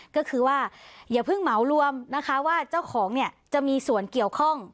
ก็คือว่าอย่าเพิ่งเหมารวมนะคะว่าเจ้าของเนี่ยจะมีส่วนเกี่ยวข้อง